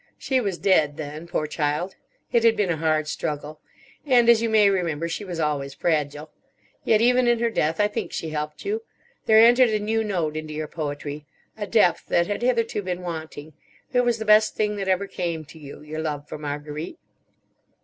She was dead then. Poor child, it had been a hard struggle. And, as you may remember, she was always fragile. Yet even in her death I think she helped you. There entered a new note into your poetry, a depth that had hitherto been wanting. It was the best thing that ever came to you, your love for Marguerite."